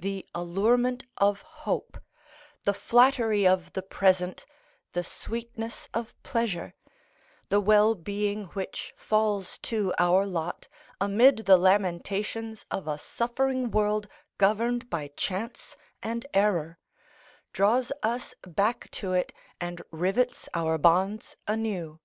The allurement of hope, the flattery of the present, the sweetness of pleasure, the well being which falls to our lot, amid the lamentations of a suffering world governed by chance and error, draws us back to it and rivets our bonds anew.